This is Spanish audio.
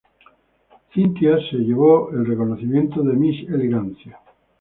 Cynthia se llevó el reconocimiento de Miss Elegancia.